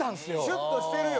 シュッとしてるよ。